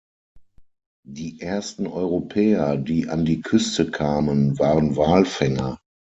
Die ersten Europäer, die in an die Küste kamen, waren Walfänger.